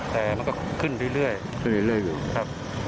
แต่ก็ขึ้นเรื่อยอยู่